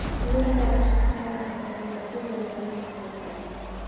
Ikiwemo Wasukuma ni kabila kubwa zaidi Tanzania